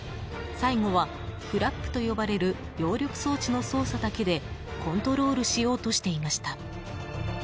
最後はフラップと呼ばれる揚力装置の操作だけでコントロールしようとしていました。